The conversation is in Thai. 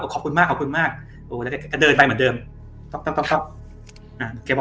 ขอบคุณมากขอบคุณมากแล้วก็เดินไปเหมือนเดิม